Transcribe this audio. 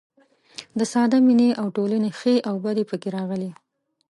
د ساده مینې او ټولنې ښې او بدې پکې راغلي.